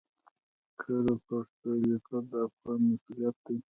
کره پښتو ليکل د افغان مسؤليت دی